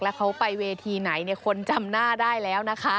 แล้วเขาไปเวทีไหนคนจำหน้าได้แล้วนะคะ